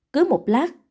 cứ một lát